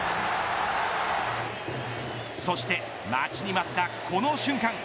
そして待ちに待ったこの瞬間。